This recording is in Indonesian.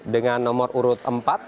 dengan nomor urut empat